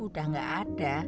udah gak ada